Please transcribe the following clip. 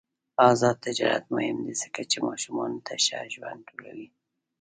آزاد تجارت مهم دی ځکه چې ماشومانو ته ښه ژوند جوړوي.